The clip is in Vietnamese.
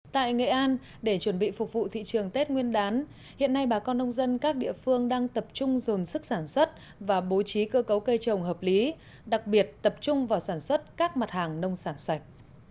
tại nghệ an để chuẩn bị phục vụ thị trường tết nguyên đán hiện nay bà con nông dân các địa phương đang tập trung dồn sức sản xuất và bố trí cơ cấu cây trồng hợp lý đặc biệt tập trung vào sản xuất các mặt hàng nông sản sạch